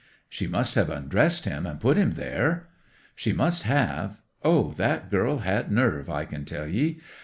'She must have undressed him and put him there.' 'She must. Oh, that girl had a nerve, I can tell ye!